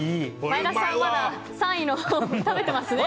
前田さん、まだ３位の食べてますね。